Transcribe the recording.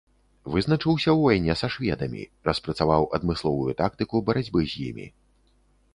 Вызначыўся ў вайне са шведамі, распрацаваў адмысловую тактыку барацьбы з імі.